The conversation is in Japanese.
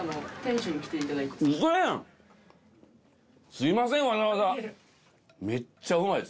すいませんわざわざ。